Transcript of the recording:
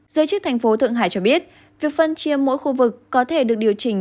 giới chức thành phố thượng hải cho biết việc phân chia mỗi khu vực có thể được điều chỉnh